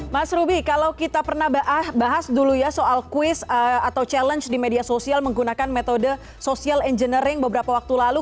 mas ruby kalau kita pernah bahas dulu ya soal quiz atau challenge di media sosial menggunakan metode social engineering beberapa waktu lalu